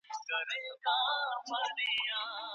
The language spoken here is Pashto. د رسمي خطونو لیکل ځانګړي اصول لري.